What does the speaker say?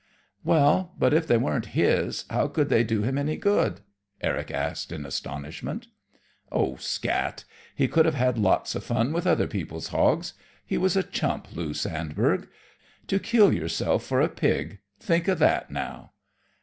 "Well, but, if they weren't his, how could they do him any good?" Eric asked, in astonishment. "Oh, scat! He could have had lots of fun with other people's hogs. He was a chump, Lou Sandberg. To kill yourself for a pig think of that, now!"